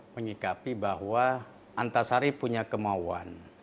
menyikapi bahwa antasari punya kemauan